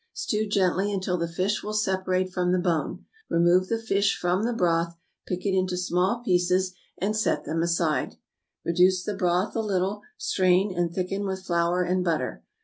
Stew gently until the fish will separate from the bone; remove the fish from the broth, pick it into small pieces, and set them aside; reduce the broth a little, strain, and thicken with flour and butter.